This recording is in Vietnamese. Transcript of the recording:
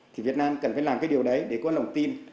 thì việt nam cần phải làm cái điều đấy để có lòng tin